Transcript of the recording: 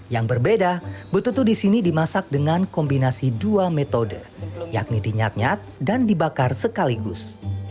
yang berbeda betutu di sini dimasak dengan kombinasi dua metode yakni dinyat nyat dan dibakar sekaligus